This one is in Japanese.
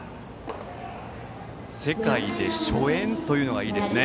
世界で初演というのがいいですね。